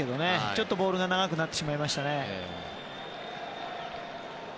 ちょっとボールが長くなってしまいましたね。